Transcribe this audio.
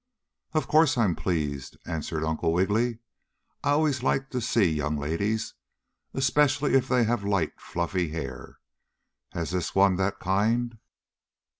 "Of course I'm pleased," answered Uncle Wiggily. "I always like to see young ladies, especially if they have light, fluffy hair. Has this one that kind?"